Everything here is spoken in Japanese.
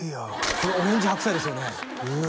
このオレンジ白菜ですよねうわ